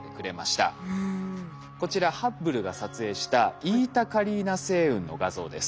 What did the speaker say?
こちらハッブルが撮影したイータカリーナ星雲の画像です。